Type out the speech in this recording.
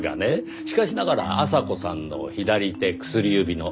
しかしながら阿佐子さんの左手薬指の痕。